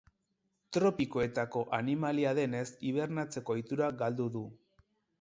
Tropikoetako animalia denez hibernatzeko ohitura galdu du.